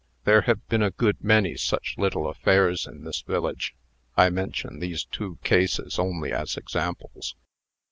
There have been a good many such little affairs in this village. I mention these two cases only as examples."